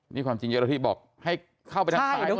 นี่ความจริงเจ้าหน้าที่บอกให้เข้าไปทางซ้ายนะ